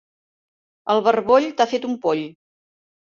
El barboll t'ha fet un poll.